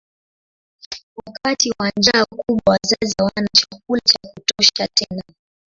Wakati wa njaa kubwa wazazi hawana chakula cha kutosha tena.